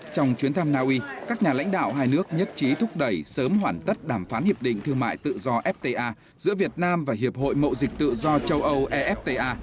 trong chuyến thăm naui các nhà lãnh đạo hai nước nhất trí thúc đẩy sớm hoàn tất đàm phán hiệp định thương mại tự do fta giữa việt nam và hiệp hội mậu dịch tự do châu âu efta